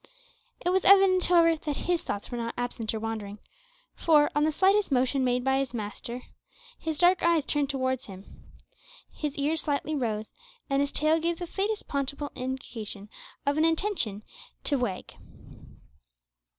It was evident, however, that his thoughts were not absent or wandering, for, on the slightest motion made by his master, his dark eyes turned towards him, his ears slightly rose, and his tail gave the faintest possible indication of an intention to wag.